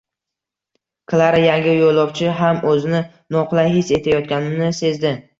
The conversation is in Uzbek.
Klara yangi yo’lovchi ham o’zini noqulay his etayotganini sezdi